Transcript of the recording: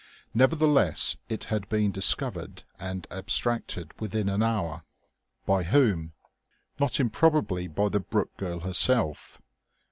Nevertheless it had been discovered and abstracted within an hour. By whom? Not improbably by the Brooke girl herself.